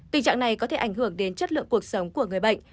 tình trạng này có thể ảnh hưởng đến chất lượng cuộc sống của người bệnh